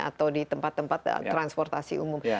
atau di tempat tempat transportasi umum